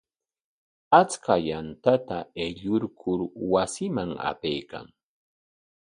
Achka yantata aylluykur wasinman apaykan.